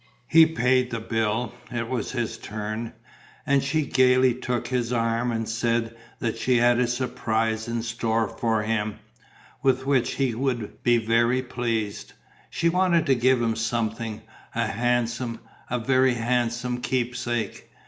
He paid the bill it was his turn and she gaily took his arm and said that she had a surprise in store for him, with which he would be very pleased. She wanted to give him something, a handsome, a very handsome keepsake.